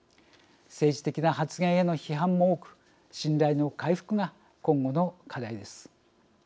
政治的な発言への批判も多く信頼の回復が今後の課題です。